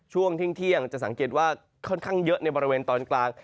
ช่วงเที่ยงจะสังเกตว่าค่อนข้างเยอะในบริเวณตอนกลาง